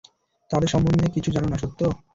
তাদের সম্বন্ধে কিছুই জানো না, সত্যা।